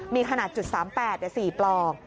มีขนาด๐๓๘แต่๔ปลอก